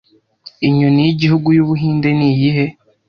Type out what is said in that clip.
Inyoni yigihugu y'Ubuhinde niyihe